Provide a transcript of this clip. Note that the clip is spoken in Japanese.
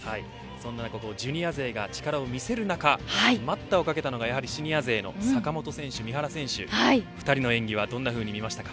そんな中、ジュニア勢が力を見せる仲待ったをかけたのがシニア勢の坂本選手、三原選手２人の演技はどんなふうに見ましたか。